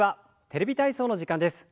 「テレビ体操」の時間です。